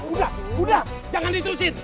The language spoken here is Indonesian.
udah udah jangan diturusin